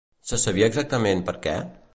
Se sabia exactament per què?